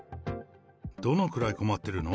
どのくらい困ってるの？